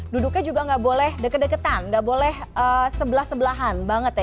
duduknya juga nggak boleh deket deketan nggak boleh sebelah sebelahan banget ya